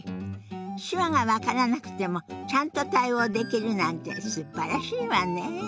手話が分からなくてもちゃんと対応できるなんてすばらしいわね。